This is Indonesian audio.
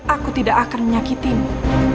aku tidak akan menyakitimu